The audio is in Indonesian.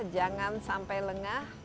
jangan sampai lengah